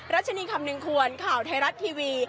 รัชนีคำนึงควรข่าวไทยรัฐทีวี